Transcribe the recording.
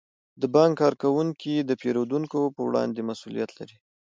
د بانک کارکوونکي د پیرودونکو په وړاندې مسئولیت لري.